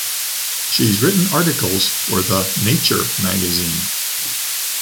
She’s written articles for the “Nature” magazine.